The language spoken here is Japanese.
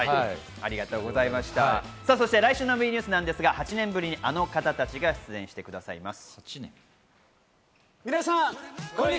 来週のＷＥニュースですが、８年ぶりにあの方たちが出演してくださいます。